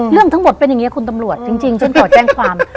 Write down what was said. เรื่องทั้งหมดเป็นอย่างนี้คุณตำรวจจริงฉันขอแจ้งความ